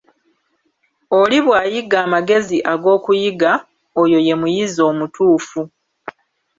Oli bw'ayiga amagezi ag'okuyiga, oyo ye muyizi omutuufu.